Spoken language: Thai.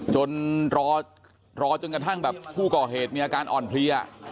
รอจนกระทั่งแบบผู้ก่อเหตุมีอาการอ่อนเพลีย